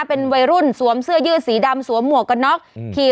เป็นวัยรุ่นสวมเสื้อยืดสีดำสวมหมวกกันน็อกขี่